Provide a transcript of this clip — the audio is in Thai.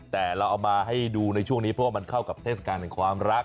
แต่เราเอามาให้ดูในช่วงนี้เพราะว่ามันเข้ากับเทศกาลแห่งความรัก